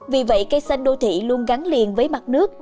vì vậy cây xanh đô thị luôn gắn liền với mặt nước